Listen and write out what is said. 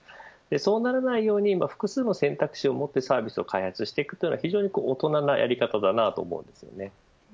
そうならないように複数の選択肢を持ってサービスを開発していくのは非常に大人なやり方だなと思います。